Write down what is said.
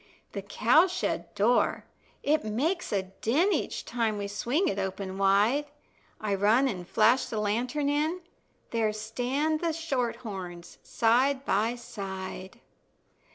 The cow shed door, it makes a din Each time we swing it open wide; I run an' flash the lantern in, There stand the shorthorns side by side.